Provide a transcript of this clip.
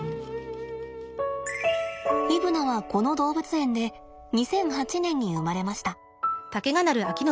イブナはこの動物園で２００８年に生まれました。